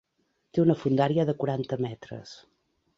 Té una fondària de quaranta metres.